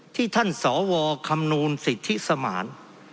ที่ท่านสวคำนวณสิทธิสมาน